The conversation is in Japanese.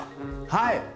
はい！